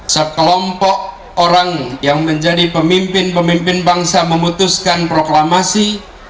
sekelompok orang yang menjadi pemimpin pemimpin bangsa memutuskan proklamasi